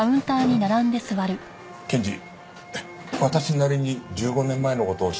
検事私なりに１５年前の事を調べてみました。